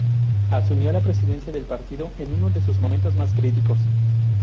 Asumió la Presidencia del partido en uno de sus momentos más críticos.